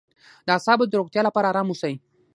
د اعصابو د روغتیا لپاره ارام اوسئ